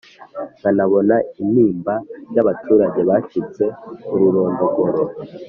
nkanabona intimba y'abaturage bacitse ururondogoro